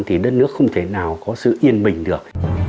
thì đất nước không thể nào có sự yên bình được